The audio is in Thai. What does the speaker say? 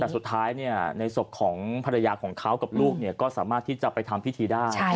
แต่สุดท้ายในศพของภรรยาของเขากับลูกก็สามารถที่จะไปทำพิธีได้